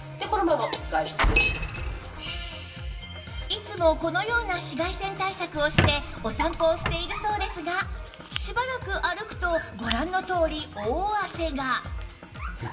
いつもこのような紫外線対策をしてお散歩をしているそうですがしばらく歩くとご覧のとおり大汗が